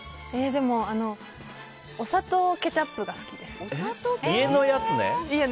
でも、お砂糖ケチャップが家のやつね。